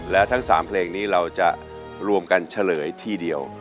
และทั้ง๓เพลงนี้เราจะรวมกันเฉลยทีเดียว